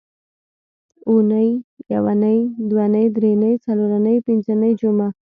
اونۍ، یونۍ، دونۍ، درېنۍ، څلورنۍ، پینځنۍ، جمعه